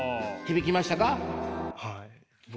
響きました？